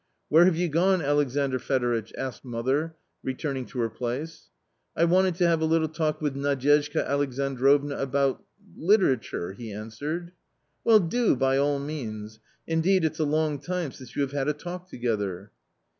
"Where have you gone, Alexandr Fedoritch?" asked mother, returning to her place. " I wanted to have a little talk with Nadyezhda Alexan drovna — about — literature," he answered. " Well, do by all means ; indeed, it's a long time since you have had a talk together."